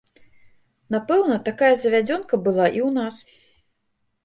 Напэўна, такая завядзёнка была і ў нас.